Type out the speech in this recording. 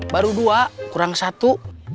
baru dua kurang satu